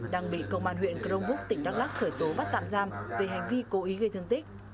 đang bị công an huyện crong búc tỉnh đắk lắc khởi tố bắt tạm giam về hành vi cố ý gây thương tích